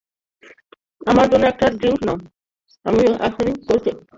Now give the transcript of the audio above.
আমার জন্য একটা ড্রিংক নাও, আমি এখনি আসছি।